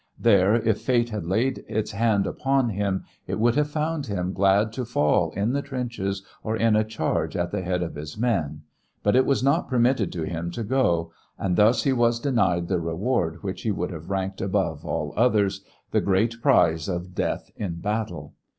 There if fate had laid its hand upon him it would have found him glad to fall in the trenches or in a charge at the head of his men, but it was not permitted to him to go, and thus he was denied the reward which he would have ranked above all others, "the great prize of death in battle."